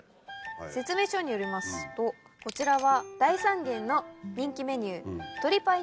説明書によりますとこちらは大三元の人気メニュー。